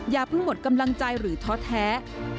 อย่าเพิ่งหมดกำลังใจหรือท้อแท้